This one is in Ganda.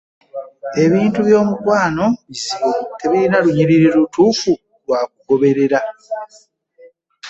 Ebintu by'omukwano bizibu tebirina lunyiriri lutuufu lwakugoberera.